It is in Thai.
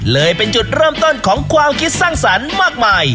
เลยเป็นจุดเริ่มต้นของความคิดสร้างสรรค์มากมาย